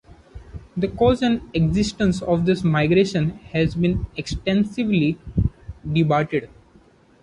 The cause and existence of this migration has been extensively debated.